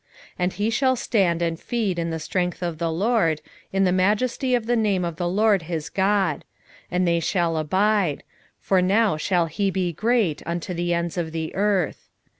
5:4 And he shall stand and feed in the strength of the LORD, in the majesty of the name of the LORD his God; and they shall abide: for now shall he be great unto the ends of the earth.